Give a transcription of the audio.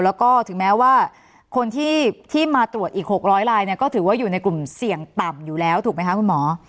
แล้วก็ถึงแม้ว่าคนที่มาตรวจอีก๖๐๐ลายเนี่ยก็ถือว่าอยู่ในกลุ่มเสี่ยงต่ำอยู่แล้วถูกไหมคะคุณหมอ